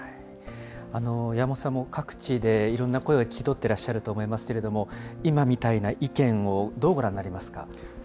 山本さんも各地でいろんな声を聞き取ってらっしゃると思いますけれども、今みたいな意見をどうご覧になりますか。